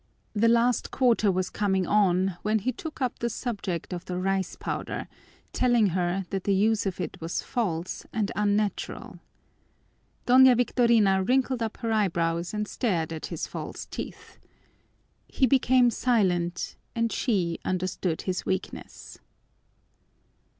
The last quarter was coming on when he took up the subject of the rice powder, telling her that the use of it was false and unnatural. Doña Victorina wrinkled up her eyebrows and stared at his false teeth. He became silent, and she understood his weakness.